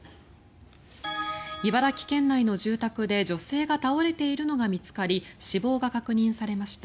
茨城県内の住宅で女性が倒れているのが見つかり死亡が確認されました。